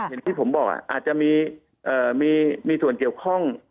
อย่างที่ผมบอกอาจจะมีส่วนเกี่ยวข้อง